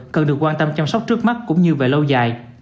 cần được quan tâm chăm sóc trước mắt cũng như về lâu dài